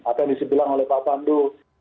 apa yang disebutkan oleh pak pandu